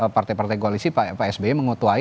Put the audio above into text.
partai partai koalisi pak sby mengutuai